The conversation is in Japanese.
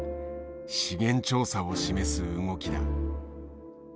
資源調査を示す動きだ。